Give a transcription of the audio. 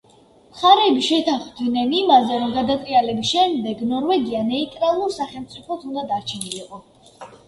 მხარეები შეთანხმდნენ იმაზე, რომ გადატრიალების შემდეგ ნორვეგია ნეიტრალურ სახელმწიფოდ უნდა დარჩენილიყო.